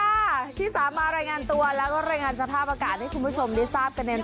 ที่สามารถรายงานตัวแล้วก็รายงานสภาพอากาศให้คุณผู้ชมได้ทราบกันใน